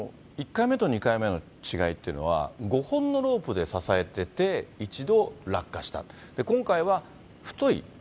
１回目と２回目の違いというのは、５本のロープで支えてて、一度落下したと、ベルトですね。